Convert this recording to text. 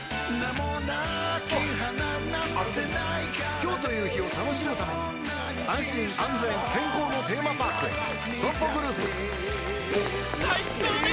今日という日を楽しむために安心安全健康のテーマパークへＳＯＭＰＯグループ